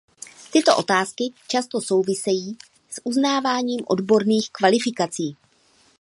Tyto otázky často souvisejí s uznáváním odborných kvalifikací.